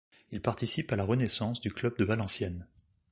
Il participe à la renaissance du club de Valenciennes.